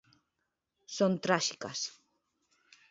Son tráxicas.